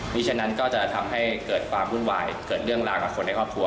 ฉะนั้นก็จะทำให้เกิดความวุ่นวายเกิดเรื่องราวกับคนในครอบครัว